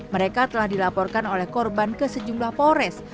mereka telah dilaporkan oleh korban ke sejumlah polres